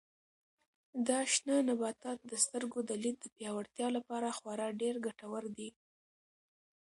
دا شنه نباتات د سترګو د لید د پیاوړتیا لپاره خورا ډېر ګټور دي.